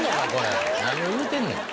何言うてんねん。